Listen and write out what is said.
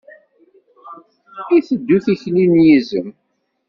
Iteddu tikli n yizem.